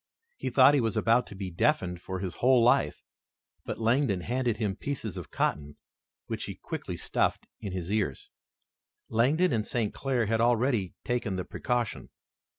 He thought he was about to be deafened for his whole life, but Langdon handed him pieces of cotton which he quickly stuffed in his ears. Langdon and St. Clair had already taken the precaution.